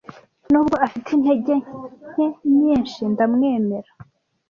Nubwo afite intege nke nyinshi, ndamwemera.